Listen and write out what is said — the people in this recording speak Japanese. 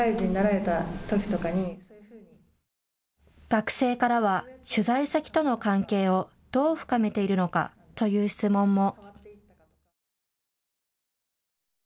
学生からは取材先との関係をどう深めているのかという質問も。